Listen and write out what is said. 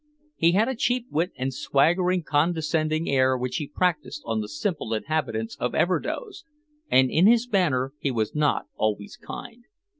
He had a cheap wit and swaggeringly condescending air which he practiced on the simple inhabitants of Everdoze, and in his banter he was not always kind.